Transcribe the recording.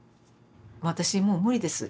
私もう無理です。